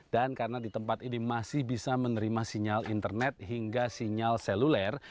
dan karena di tempat ini masih bisa menerima sinyal internet hingga sinyal seluler